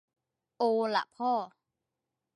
โอละพ่อ